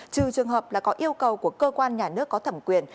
trừ trường hợp là có yêu cầu của cơ quan nhà nước có thẩm quyền